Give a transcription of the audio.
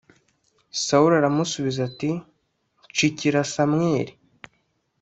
Sawuli aramusubiza ati nshikira Samweli